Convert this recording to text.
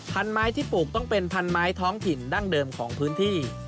ไม้ที่ปลูกต้องเป็นพันไม้ท้องถิ่นดั้งเดิมของพื้นที่